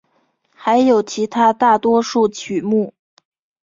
还有其他大多数曲目。